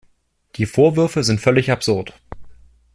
Die Vorwürfe sind völlig absurd.